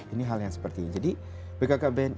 ini hal yang seperti ini jadi bkkbn